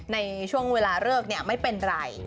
ในช่วงเวลาเลิกไม่เป็นไร